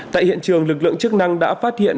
tại hiện trường lực lượng chức năng đã phát hiện